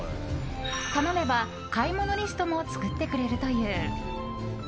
頼めば買い物リストも作ってくれるという。